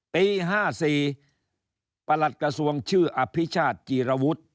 ปี๕๔ประหลัดกระทรวงชื่ออภิชาติจีรวุฒิ